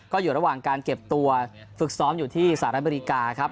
ก็อยู่ระหว่างการเก็บตัวฝึกซ้อมอยู่ที่สหรัฐอเมริกาครับ